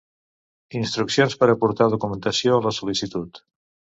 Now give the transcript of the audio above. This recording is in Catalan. Instruccions per aportar documentació a la sol·licitud.